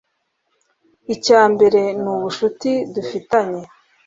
icya mbere ni ubushuti dufitanye